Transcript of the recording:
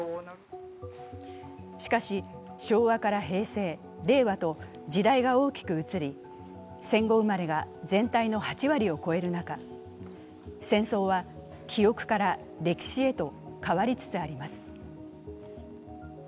しかし昭和から平成、令和へと時代は大きく移り戦後生まれが全体の８割を超える中、戦争は、記憶から歴史へと変わりつつあります。